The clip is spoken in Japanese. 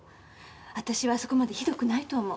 私はあそこまでひどくないと思う。